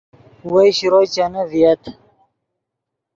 وئے شروئے چینے ڤییت